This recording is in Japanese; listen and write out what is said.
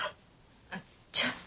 あっちょっと。